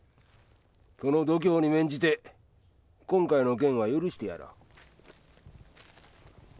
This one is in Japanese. この度胸に免じて今回の件は許してやろう。